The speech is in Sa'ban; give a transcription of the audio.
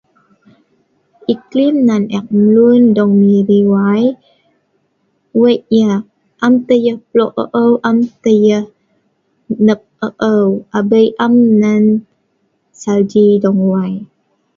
Iklim nan eek mlun song Miri wai, wei' yah, am tah yah plo' o'ou, am tah yah hneo o'ou, abei am nan salji dong wai